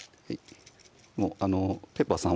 もうペッパーさん